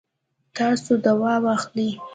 تاسو دوا واخلئ